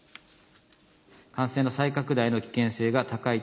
感染の再拡大の危険性が高い。